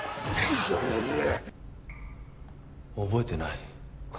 覚えてない。